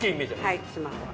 はいスマホは。